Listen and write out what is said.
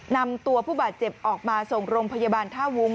นำตัวผู้บาดเจ็บออกมาส่งโรงพยาบาลท่าวุ้ง